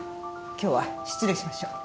今日は失礼しましょう。